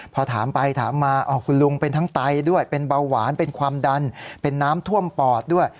พอถามไปถามมาคุณลุงเป็นทั้งไตด้วยเป็นเบาหวานเป็นความดันเป็นน้ำท่วมปอดด้วย